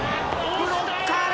ブロッカーだ！